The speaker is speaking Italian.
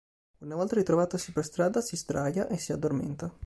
Una volta ritrovatosi per strada si sdraia e si addormenta.